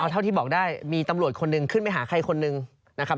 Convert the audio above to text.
เท่าที่บอกได้มีตำรวจคนหนึ่งขึ้นไปหาใครคนหนึ่งนะครับ